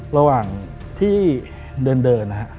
ระหว่างที่เดินนะฮะ